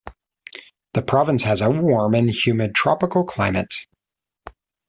The province has a warm and humid tropical climate.